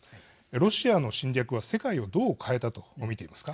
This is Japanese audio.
ロシアの侵略は世界をどう変えたと見ていますか。